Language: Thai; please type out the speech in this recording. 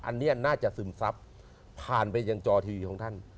อันนี้น่าจะซึมซับผ่านไปยังจอทีวีของท่าน